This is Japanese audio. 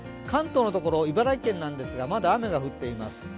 関東のところ、茨城県なんですがまだ雨が降っています。